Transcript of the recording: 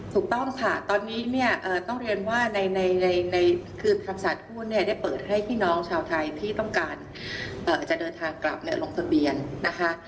ถูกต้องค่ะตอนนี้เนี่ยต้องเรียนว่าในคือธรรมศาสตร์หุ้นเนี่ยได้เปิดให้พี่น้องชาวไทยที่ต้องการจะเดินทางกลับลงทะเบียนนะคะ